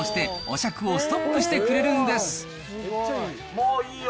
もういいよ。